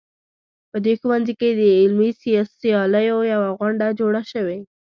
په دې ښوونځي کې د علمي سیالیو یوه غونډه جوړه شوې